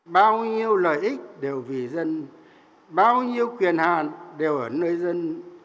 bao nhiêu lợi ích đều vì dân bao nhiêu quyền hạn đều ở nơi dân